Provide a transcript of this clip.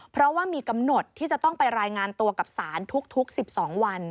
เพราะว่ามีกำหนดที่จะต้องไปรายงานตัวกับศาลทุก๑๒วัน